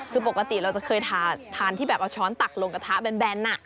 คือปกติเราจะเคยทานที่แบบเอาช้อนตักลงกระทะแบน